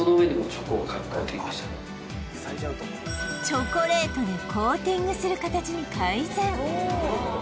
チョコレートでコーティングする形に改善